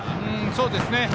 そうですね。